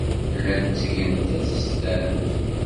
Llant ttgent tasestant.